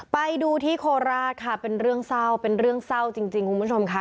ไปดูที่โคราชค่ะเป็นเรื่องเศร้าเป็นเรื่องเศร้าจริงคุณผู้ชมค่ะ